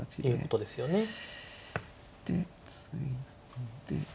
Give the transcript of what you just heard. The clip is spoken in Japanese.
そうですね。